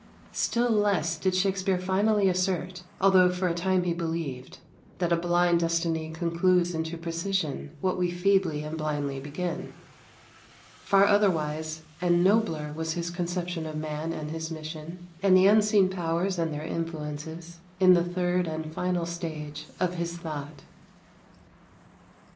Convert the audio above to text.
Still less did Shakspere finally assert, although for a time he believed, that a blind destiny concludes into precision what we feebly and blindly begin. Far otherwise and nobler was his conception of man and his mission, and the unseen powers and their influences, in the third and final stage of his thought.